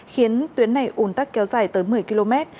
khiến tuyến này ủn tắc kéo dài tới một mươi km